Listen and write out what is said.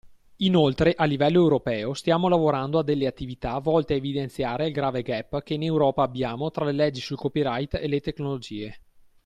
inoltre, a livello Europeo, stiamo lavorando a delle attività volte a evidenziare il grave gap che in Europa abbiamo tra le leggi sul Copyright e le tecnologie.